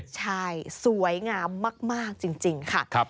ใช่สวยงามมากจริงค่ะ